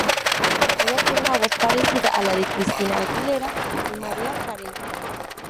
Ella tiene una voz parecida a la de Christina Aguilera y Mariah Carey.